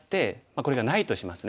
これがないとしますね。